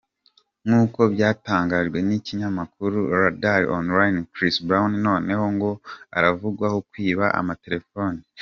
Nk’uko byatangajwe n’ikinyamakuru RadarOnline, Chris Brown noneho ngo aravugwaho kwiba amatelefoni.